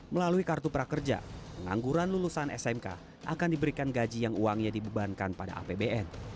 melalui kartu prakerja pengangguran lulusan smk akan diberikan gaji yang uangnya dibebankan pada apbn